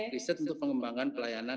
riset untuk pengembangan pelayanan